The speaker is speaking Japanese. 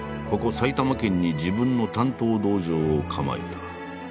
埼玉県に自分の鍛刀道場を構えた。